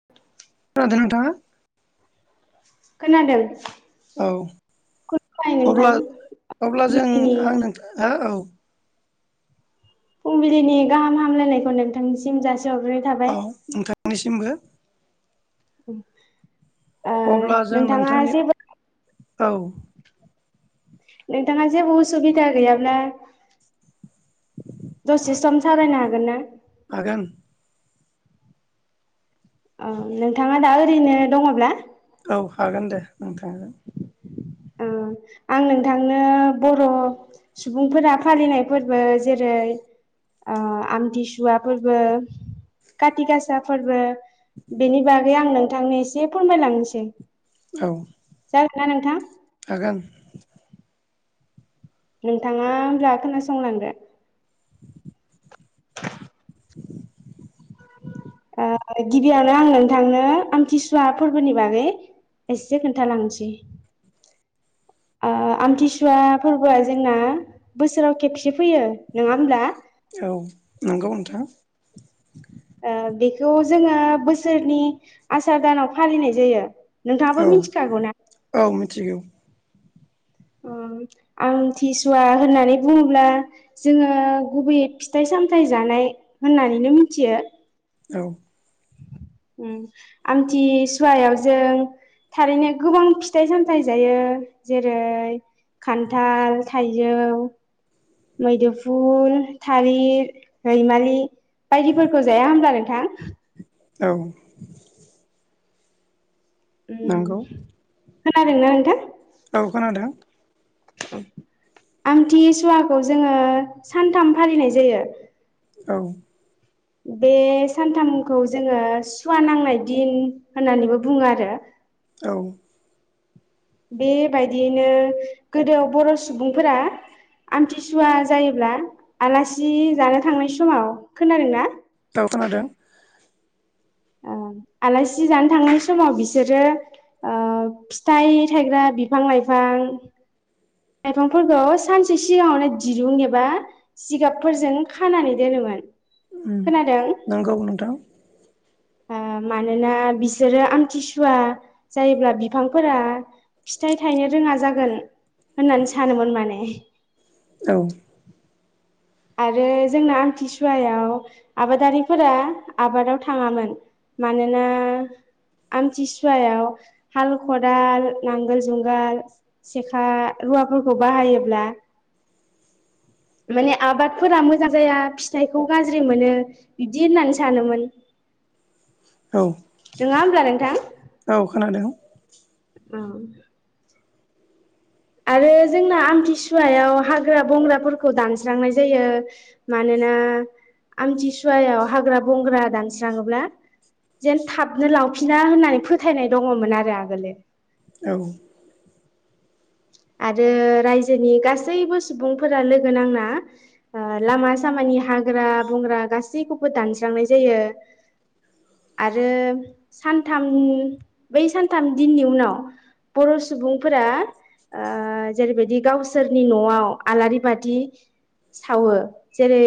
[inaudible] खोनादों। औ खुलुमबाय नोंथां अब्ला अब्ला जों फुंबिलिनि आं नोंथां हा औ। फुंबिलिनि गाहाम हामलायनायखौ नोंथांनिसिम जा। औ नोंथांनिसिमबो। उम। अब्ला जों नोंथांनि? औ। नोंथाङा जेबो उसुबिदा गैयाब्ला। दसे सम सावरायनो हागोन ना? हागोन औ नोंथाङा दा ओरैनो दङब्ला? औ हागोन दे नोंथांजों। ओ आं नोंथांनो बर' सुबुंफोरा फालिनाय फोरबो जेरै आ आमथिसुवा फोरबो खाथि गासा फोरबो बेनि बागै आं नोंथांनो एसे फोरमायलांनोसै। औ। [unintelligible] नोंथां। आगान। नोंथाङा होमब्ला खोनासंलांदो। ओ गिबियावनो आं नोंथांनो आमथिसुवा फोरबोनि बागै एसे खोन्थालांसै। आ आमथिसुवा फोरबोआ जोंना बोसोराव खेबसे फैयो नङा होमब्ला? औ नंगौ नोंथां। ओ बेखौ जोङो बोसोरनि आसार दानाव फालिनाय जायो। नोंथाङाबो औ मिथिखागौना औ मिथिगौ आं थिसुवा होननानै बुङोब्ला जोङो गुबैयै फिथाइ सामथायाइ जानाय होननानैनो मिथियो औ आमथिसुवायाव जों थारैनो गोबां फिथाइ सामथायाइ जायो जेरै खान्थाल थाय जौ मैदुफुल थालिर रैमालि बायदिफोरखौ जाया होनब्ला नोंथां? औ उ नंगौ खोनादोंना नोंथां? औ खोनादों। आमथि सुवाखौ जोङो सानथाम फालिनाय जायो। औ बे सानथामखौ जोङो सुवा नांनाय दिन होननानैबो बुङो आरो। औ बेबायदियैनो गोदो बर' सुबुंफोरा आमथिसुवा जायोब्ला आलासि जानो थांनाय समाव खोनादों ना? दाव खोनादों ओ आलासि जानो थांनाय समाव बिसोरो फिथाइ थायग्रा बिफां लाइफां लाइफांफोरखौ सानसे सिगाङावनो दिरुं एबा जिगाबफोरजों खानानै दोनोमोन। खोनादों नोंगौ नोंथां ओ मानोना बिसोरो आमथिसुवा जायोब्ला बिफांफोरा फिथाइ थायनो रोङा जागोन होननानै सानोमोन माने। औ आरो जोंना आमथिसुवायाव आबादारिफोरा आबादाव थाङामोन मानोना आमथिसुवायाव हाल खदाल नांगोल जुंगाल सेखा रुवाफोरखौ बाहायोब्ला माने आबादफोरा मोजां जाया फिथाइखौ गाज्रि मोनो बिदि होननानै सानोमोन। औ नोङा होमब्ला नोंथां? औ खोनादों औ आरो जोंना आमथिसुवायाव हाग्रा बंग्राफोरखौ दानस्रांनाय जायो मानोना आमथिसुवायाव हाग्रा बंग्रा दानस्राङोब्ला जेन थाबनो लावफिना होननानै फोथायनाय दङमोन आरो आगोलो। औ आरो रायजोनि गासैबो सुबुंफोरा लोगो नांना ओ लामा सामानि हाग्रा बंग्रा गासैखौबो दानस्रांनाय जायो आरो सानथाम बै सानथाम दिननि उनाव बर' सुबुंफोरा ओ जेरैबायदि गावसोरनि न'आव आलारि बाथि सावो जेरै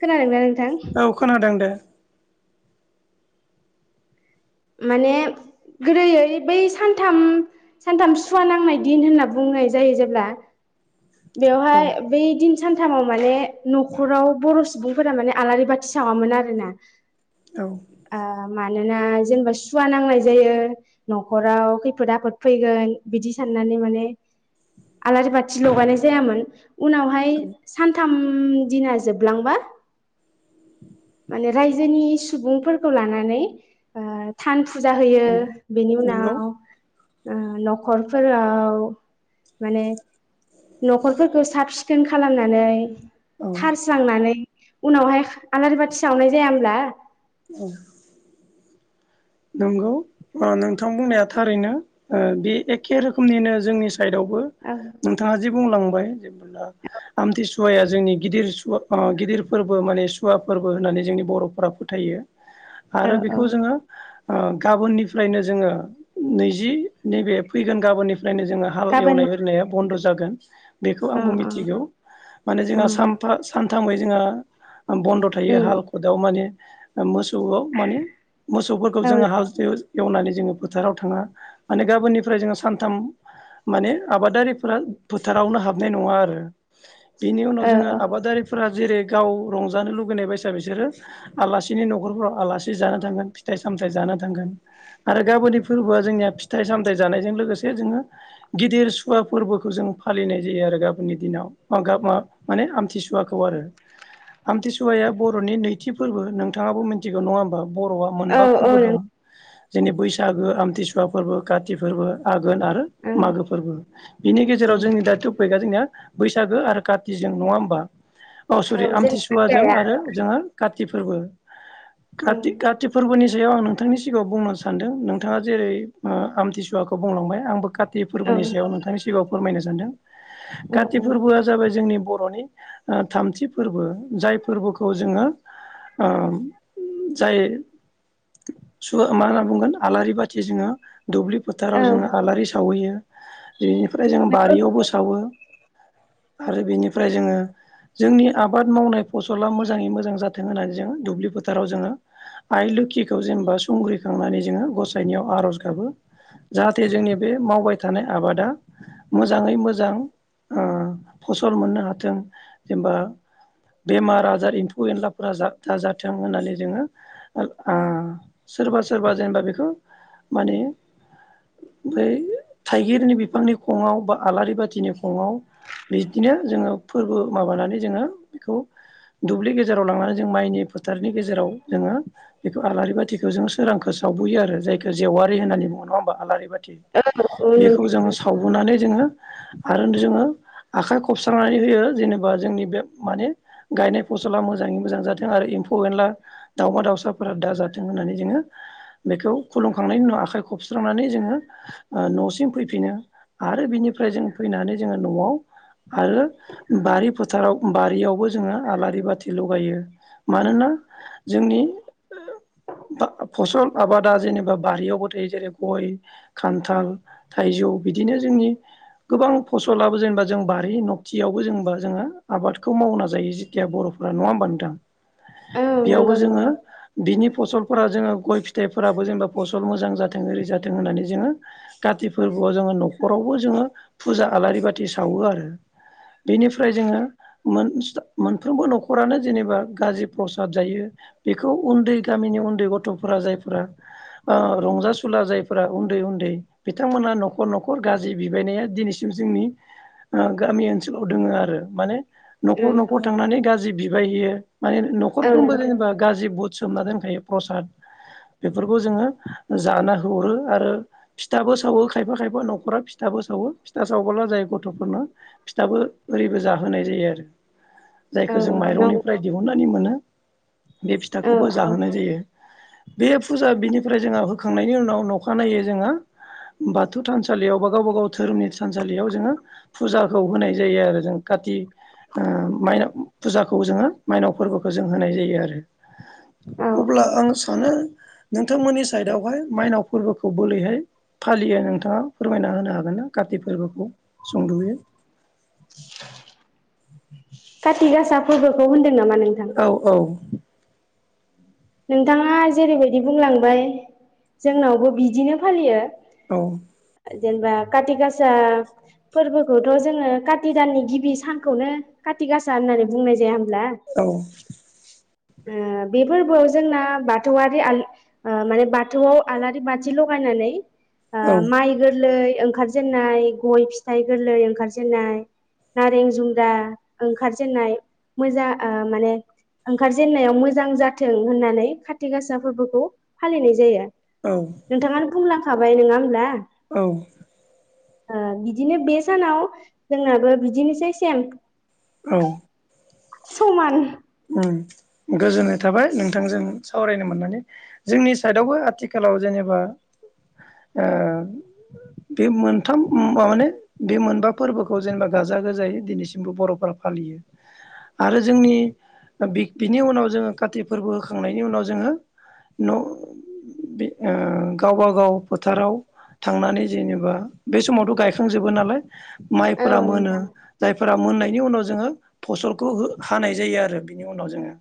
खोनादोंना? नोंथां औ खोनादों दे माने गोदोयै बै सानथाम सानथाम सुवा नांनाय दिन होनना बुंनाय जायो जेब्ला औ बेवहाय बै दि सानथामाव माने न'खराव बर' सुबुंफोरा माने आलारि बाथि सावामोन आरोना। औ ओ मानोना जेनेबा सुवा नांनाय जायो न'खराव खैफोद आफोद फैगोन बिदि साननानै माने आलारि बाथि लगायनाय जायामोन उनावहाय सानथाम दिना जोबलांबा माने रायजोनि सुबुंफोरखौ लानानै ओ थान फुजा औ होयो बिनि नंगौ उनाव ओ न'खरफोराव माने न'खरफोरखौ साब सिखोन खालामनानै औ थारस्रांनानै उनावहाय खा आलारि बाथि सावनाय जाया होमब्ला? औ नंगौ ओ नोंथां बुंनाया थारैनो ओ बे एखे रोखोमनिनो जोंनि साइदआवबो औ नोंथाङा जि बुंलांबाय ओ आमथिसुवाया जोंनि गिदिर सुवा ओ गिदिर फोरबो माने सुवा फोरबो होननानै जोंनि बर'फोरा फोथायो। औ आरो औ बेखौ जोङो ओ गाबोननिफ्रायनो जोङो नैजि नैबे फैगोन गाबोननि फ्रायनो जोङो हाल गाबोन एवनाय होरिनाया बन्द' जागोन। बेखौ अ आंबो अ मिथिगौ माने जोंहा ओं सानफ्रा सान थांबाय जोंहा बन्द' थायो उम हाल खदाल माने मोसौआव माने मोसौफोरखौ औ जोङो हाल एवनानै जोङो फोथाराव थाङा। माने गाबोननिफ्राय जोङो सानथाम माने आबादारिफोरा फोथारावनो हाबनाय नङा आरो। बिनि उनाव औ जोङो आबादारिफोरा जेरै गाव रंजानो लुुबैनाय बायसा बिसोरो आलासिनि न'खरफ्राव आलासि जानो थांगोन फिथाइ सामथायाइ जाना थांगोन। आरो गाबोननि फोरबोआ जोंनिया फिथाइ सामथाइ जानायजों लोगोसे जोङो गिदिर सुवा फोरबोखौ जों फालिनाय जायो आरो गाबोननि दिनाव ओ माने आमथिसुवाखौ आरो। आमथिसुवाया बर'नि नैथि फोरबो नोंथाङाबो मिथिगौ नङा होमबा बर' औ बा औ फोरबो दं। जोंनि बैसागो, आमथिसुवा फोरबो, काति फोरबो, आ गोन आरो नों मागो फोरबो। बिनि गेजेराव ओं ओं जोंनि दा टपिकआ जोंनिया बैसागो आरो कातिजों नङा होमबा? औ सरि जोंना आमथिसुवाजों आयदाया आरो जोङो खाथि फोरबो। ओं खाथि खाथि फोरनि सायाव आं नोंथांनि सिगाङाव बुंनो सानदों नोंथाङा जेरै ओ आमथिसुवाखौ बुंलांबाय आंबो खा थि औ फोरबोनि सायाव नोंथांनि सिगाङाव फोरमायनो सानदों। औ काति औ फोरबोआ जाबाय जोंनि बर' नि ओ थामथि फोरबो। जाय फोरबोखौ जोङो ओ जाय सुवा मा होनना बुंगोन आलारि बाथि जोङो दुब्लि फोथाराव जोङो आलारि सावहैयो। बेनिफ्राय जोङो नंगौ बारियावबो सावो। आरो बेनिफ्राय जोङो जोंनि आबाद मावनाय फसला मोजाङै मोजां जाथों होननानै जोङो दुब्लि फोथाराव जोङो आइ लोखिखौ जेनेबा संग्रिखांनानै जोङो गसाइनीयाव आर'ज गाबो जाहाथे जोंनि बे मावबाय थानाय आबादा मोजाङै मोजां ओ फसल मोननो हाथों जेनेबा बेमार आजार एम्फौ एनलाफोरा दाजाथों होननानै जोङो आ सोरबा सोरबा जेनेबा बेखौ माने बै थाइगिरनि बिफांनि खङाव बा आलारि बाथिनि खङाव बिदिनो जोङो फोरबो माबानानै जोङो बेखौ दुब्लि गेजेराव लांनानै जों माइनि फोथारनि गेजेराव जोङो बेखौ आलारि बाथिखौ जोङो सोरांखौ सावबोयो आरो जायख जेवारि होननानै बुङो नङा होमबा आलारि बाथि औ बेखौ जोङो सावबोनानै जोङो आरो जोङो आखाय खबस्रनानै होयो जेनेबा जोंनि बे माने गायनाय फसला मोजाङै मोजां जाथों आरो एम्फौ एनला दावउमा दावउसि जाथों होननानै जोङो बेखौ खुलुमखांनायनि उनाव आखाइ खबस्रांनानै जोङो ओ न'सिम फैफिनो आरो बिनिफ्राय जों फैनानै जोङो न'आव आरो बारि फोथाराव बारियावबो जोङो आलारि बाथि लगायो मानोना जोंनि बा फसल आबादा जेनेबा बारियावबोथायायो जेरै गय खान्थाल थाइजौ बिदिनो जोंनि गोबां फसलाबो जेनेबा जों बारि नबथियावबो जेनेबा जोङो आबादखौ मावना जायो जेखिया बर'फोरा नङा होमब नथां औ बेयावबो नंगौ जोङो नोंथां बिनि फसलफोरा जोङो गय फिथाइफोराबो जेनेबा फसल मोजां जाथों ओरि जाथों होननानै जोङो काति फोरबोआव जोङो न'खरावबो जोङो फुजा आलारि बाथि सावो आरो बेनिफ्राय जोङो मोनफ्रोमबो न'खरानो जेनेबा गाज्रि प्रसाद जायो बेखौ उन्दै गामिनि उन्दै गथ'फोरा जायफोरा ओ रंजासुला जायफोरा उन्दै उन्दै बिथांमोना न'खर न'खर गाज्रि बिबायनाया दिनैसिम जोंनि ओ गामि ओनसोलाव दोङो आरो माने न'खर ओं औ न'खर थांनानै गाज्रि बि बाययो माने औ न'खरफ्रोमबो नोंथां जेनेबा गाज्रि बुट सोमनानै दोनखायो प्रसाद बेफोरखौ जोङो जाना हरो आरो फिथाबो सावो खायफा खायफा न'खरा फिथाबो सावो फिथा सावबोला जाय गथ'फोरनो फिथाबो ओरैबो जाहोनाय जायो आरो औ जायखौ जों माइरंनिफ्राय दिहुननानै मोनो बे औ फिथाखौबो जाहोनाय जायो। बे फुजा बिनिफ्राय जोङो होखांनायनि उनाव नखानायै जोङो बाथौ थानसालियाव बा गावबा गाव धोरोमनि थानसालियाव जोङो फुजाखौ होनाय जायो आरो जों काति माइनाव फुजाखौ जोङो मायनाव फोरबोखौ जों होनाय जायो आरो औ औ अब्ला औ आं सानो नोंथांमोननि साइदआवहाय माइनाव फोरबोखौ बोरैहाय फालियो नोंथाङा फोरमायना होनो हागोन ना काति फोरबोखौ सुंदयै काति गासा फोरबोखौ होनदों नामा नोंथां? औ नोंथाङा जेरैबायदि बुंलांबाय जोंनावबो बिदिनो फालियो। औ जेनेबा काति गासा फोरबोखौथ' जोङो काति दाननि गिबि सानखौनो काति गासा होननानै बुंनाय जाया होम औ ओ बेफोरबोयाव जो जोंना बाथौयारि आन ओ माने बाथौआव आलारि बाथि लगायनानै ओ माइ गोरलै ओंखारजेनाय गय फिथाइ गोरलै ओंखारजेननाय नारें जुमब्रा ओंखारजेनाय मोजां आ माने ओंखारजेननायाव मोजां जाथों होननानै काति गासा फोरबोखौ फालिनाय जायो। औ नोंथाङानो बुंलां खाबाय नङा होमला औ ओ बिदिनो बे सानाव जोंनाबो बिदिनोसै सेम। औ समान ओम गोजोननाय थाबाय नोंथांजों सावरायनो मोननानै जोंनि साइडआवबो आथिखालाव जेनेबा ओ बे मोनथाम माने बे मोनबा फोरबोखौ जेनेबा गाजा गोजायै दिनैसिमबो बर'फोरा फालियो आरो जोंनि बिग बिनि उनाव जोङो काति फोरबो होखांनायनि उनाव जोङो न' बि ओ गावबागाव फोथाराव थांनानै जेनेबा बे समावथ' गायखांजोबो नालाय औ माइफोरा मोनो नोंथां जायफोरा मोननायनि उनाव जोङो फसलखौ हो-हानाय जायो आरो रो बिनि उनाव जोङो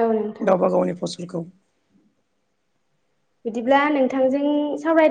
औ नोंथां गावबा गावनि फसलखौ बिदिब्ला नोंथांजों सावरायना